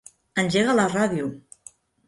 Engega la ràdio.